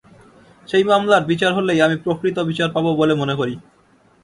সেই মামলার বিচার হলেই আমি প্রকৃত বিচার পাব বলে মনে করি।